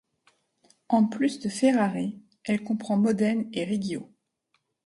En plus de Ferrare, elle comprend Modène et Reggio.